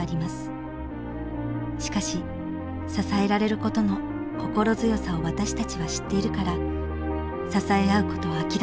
しかし支えられることの心強さを私たちは知っているから支え合うことを諦めない